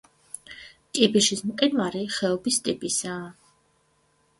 კიბიშის მყინვარი ხეობის ტიპისაა.